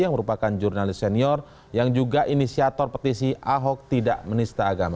yang merupakan jurnalis senior yang juga inisiator petisi ahok tidak menista agama